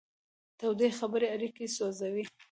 تودې خبرې اړیکې سوځوي.